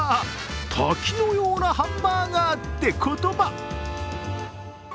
滝のようなハンバーガーって言葉。